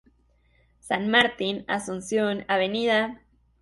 San Martín, Asunción, Av.